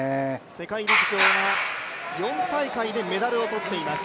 世界陸上は４大会でメダルを取っています。